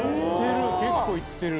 いってる。